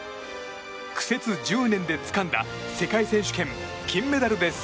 苦節１０年でつかんだ世界選手権、金メダルです。